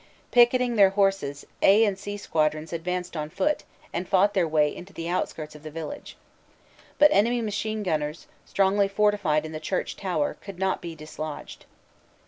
Picketing their horses "A" and "C" squadrons ad vanced on foot and fought their way into the outskirts of the village. But enemy machine gunners, strongly fortified in the church tower, could not be dislodged.